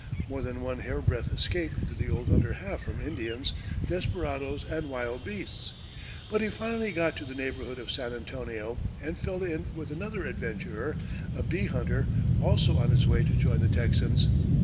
More than one hairbreadth escape did the old hunter have from Indians, desperadoes and wild beasts, but he finally got to the neighborhood of San Antonio, and fell in with another adventurer, a bee hunter, also on his way to join the Texans.